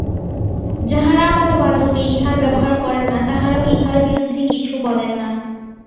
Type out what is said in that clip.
যাঁহারা মতবাদরূপে ইহার ব্যবহার করেন না, তাঁহারাও ইহার বিরুদ্ধে কিছু বলেন না।